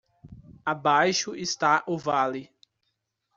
Abaixo está o vale